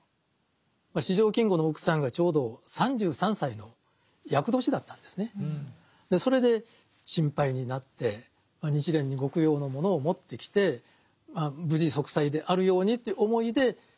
四条金吾の奥さんがちょうどそれで心配になって日蓮にご供養のものを持ってきて無事息災であるようにという思いで持ってきた。